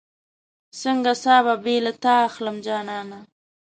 څنګه ساه به بې له تا اخلم جانانه